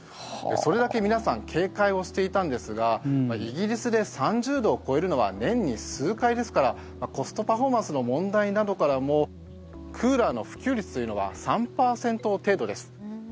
それだけ皆さん警戒をしていたんですがイギリスで３０度を超えるのは年に数回ですからコストパフォーマンスの問題などからもクーラーの普及率というのは３％程度です。